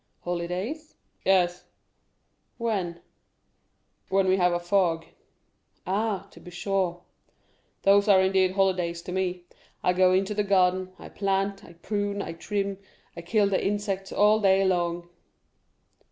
"Holidays?" "Yes." "When?" "When we have a fog." "Ah, to be sure." "Those are indeed holidays to me; I go into the garden, I plant, I prune, I trim, I kill the insects all day long."